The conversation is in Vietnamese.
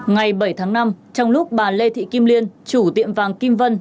ngày bảy tháng năm trong lúc bà lê thị kim liên chủ tiệm vàng kim vân